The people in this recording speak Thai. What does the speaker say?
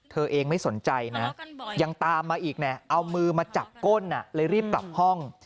เธอเองไม่สนใจนะยังตามมาอีกเอามือมาจับก้นเลยรีบกลับห้อง